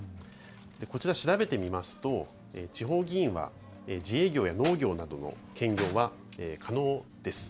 こちら調べてみますと、地方議員は自営業や農業などの兼業は可能です。